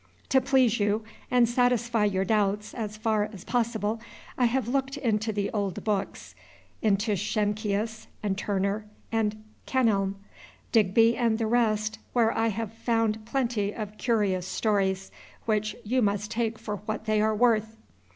To please you, and satisfy your doubts as far as possible, I have looked into the old books, into Schenckius and Turner and Kenelm. Digby and the rest, where I have found plenty of curious stories which you must take for what they are worth.